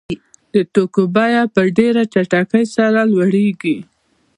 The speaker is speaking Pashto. د توکو بیه په ډېره چټکۍ سره لوړېږي